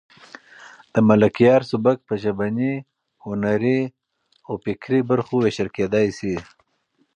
د ملکیار سبک په ژبني، هنري او فکري برخو وېشل کېدای شي.